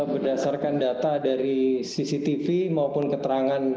berdasarkan data dari cctv maupun keterangan